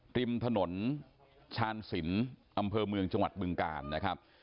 ริมถนนชาญสินอำเภอเมืองจังหวัดบึงกาลนะครับ